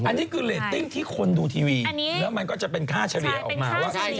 อันนี้คือเรตติ้งที่คนดูทีวีแล้วมันก็จะเป็นค่าเฉลี่ยออกมาว่า